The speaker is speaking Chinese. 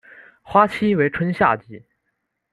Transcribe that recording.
花期为春夏季。